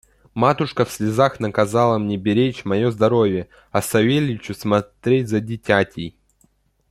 Матушка в слезах наказывала мне беречь мое здоровье, а Савельичу смотреть за дитятей.